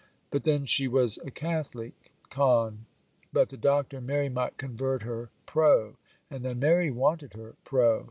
But then she was a Catholic, con. But the Doctor and Mary might convert her, pro. And then Mary wanted her, pro.